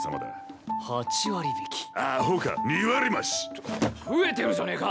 ちょ増えてるじゃねえか！